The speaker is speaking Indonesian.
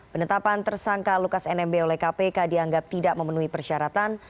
penetapan tersangka lukas nmb oleh kpk dianggap tidak memenuhi persyaratan